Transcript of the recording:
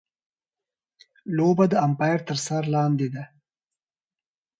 لوبه د ایمپایر تر څار لاندي ده.